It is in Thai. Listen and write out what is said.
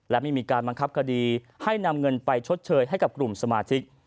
และไม่มีการบังคับคดีให้นำเงินไปชดเชยให้กับกลุ่มสมาชิก